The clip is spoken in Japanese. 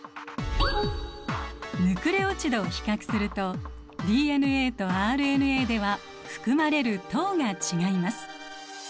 ヌクレオチドを比較するとＤＮＡとＲＮＡでは含まれる糖が違います。